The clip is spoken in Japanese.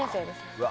うわ。